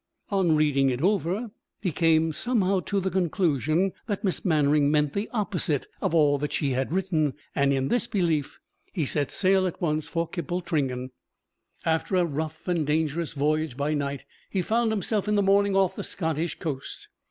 On reading it over, he came somehow to the conclusion that Miss Mannering meant the opposite of all she had written, and in this belief he set sail at once for Kippletringan. After a rough and dangerous voyage by night, he found himself in the morning off the Scottish coast.